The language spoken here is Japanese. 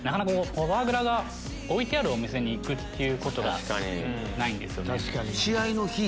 フォアグラが置いてあるお店に行くことがないんですよね。